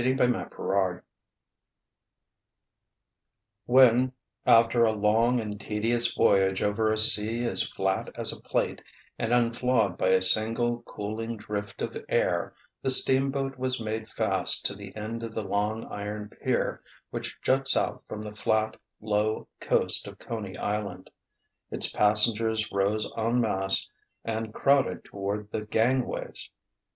XXXV When, after a long and tedious voyage over a sea as flat as a plate and unflawed by a single cooling drift of air, the steamboat was made fast to the end of that long iron pier which juts out from the flat, low coast of Coney Island, its passengers rose en masse and crowded toward the gangways.